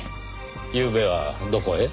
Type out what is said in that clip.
ゆうべはどこへ？